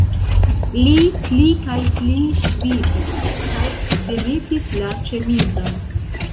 Li pli kaj pli ŝvitis kaj demetis la ĉemizon.